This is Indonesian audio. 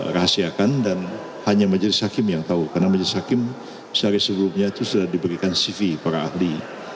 rahasiakan dan hanya majelis hakim yang tahu karena majelis hakim sehari sebelumnya itu sudah diberikan cv para ahli